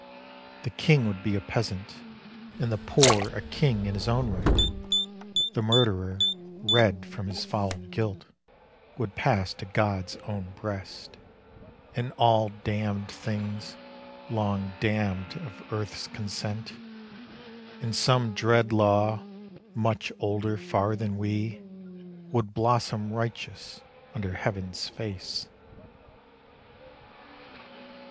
The king would be a peasant, and the poor A king in his own right; the murderer, red From his foul guilt, would pass to God's own breast, And all damned things, long damned of earth's consent, And some dread law much older far than we, Would blossom righteous under heaven's face.